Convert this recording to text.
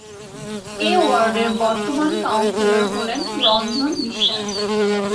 এ ওয়ার্ডের বর্তমান কাউন্সিলর হলেন রঞ্জন বিশ্বাস।